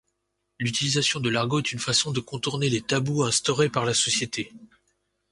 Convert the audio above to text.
L'utilisation de l'argot est une façon de contourner les tabous instaurés par la société.